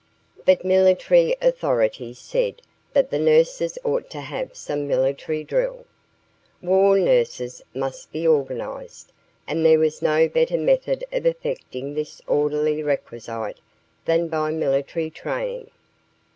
But military authorities said that the nurses ought to have some military drill. War nurses must be organized, and there was no better method of effecting this orderly requisite than by military training.